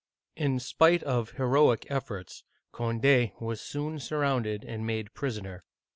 " In spite of heroic efforts, Cond6 was soon surrounded and made prisoner.